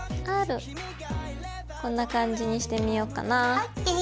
こんな感じにしてみよっかな。